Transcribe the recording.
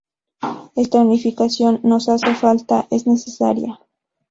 Esta unificación nos hace falta, es necesaria.